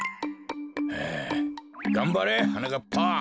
がんばれはなかっぱ。